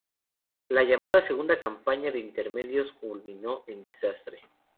La llamada Segunda Campaña de Intermedios culminó en desastre.